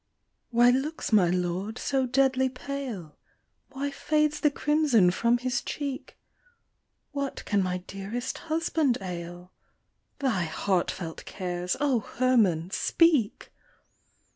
W HY looks my lord so deadly pale? Why fades the crimson from his cheek ? What can my dearest husband ail ? Thy heartfelt cares, O Herman, speak